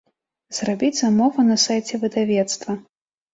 Зрабіць замову на сайце выдавецтва.